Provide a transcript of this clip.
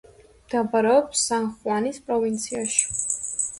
მდებარეობს სან-ხუანის პროვინციაში.